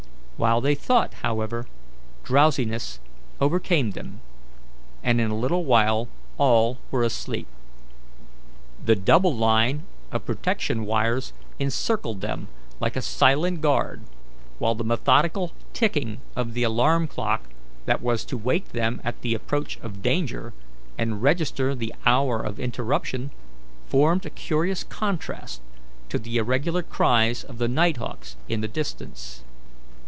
While they thought, however, drowsiness overcame them, and in a little while all were asleep. The double line of protection wires encircled them like a silent guard, while the methodical ticking of the alarm clock that was to wake them at the approach of danger, and register the hour of interruption, formed a curious contrast to the irregular cries of the night hawks in the distance.